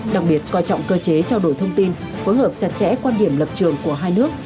đặc biệt coi trọng cơ chế trao đổi thông tin phối hợp chặt chẽ quan điểm lập trường của hai nước